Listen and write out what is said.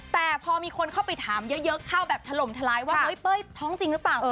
แต่พอมีคนเข้าไปถามเยอะเข้าแบบถล่มทลายว่าเฮ้ยเป้ยท้องจริงหรือเปล่า